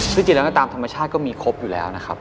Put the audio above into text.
จริงแล้วตามธรรมชาติตัวเลขก็มีครบอยู่แล้ว